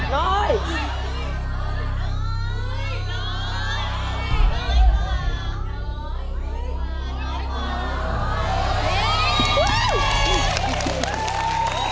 น้อยกว่านี้